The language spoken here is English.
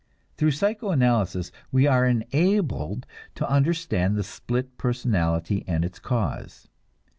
Through psychoanalysis we are enabled to understand the "split" personality and its cause.